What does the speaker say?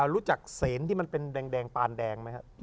รู้จักเสนที่มันเป็นแดงปานแดงไหมครับ